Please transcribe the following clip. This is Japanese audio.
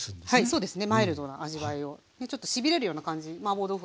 そうですね。